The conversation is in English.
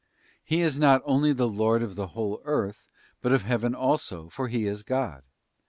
He is not only the Lord of the whole earth, but of Heaven also, for He is God.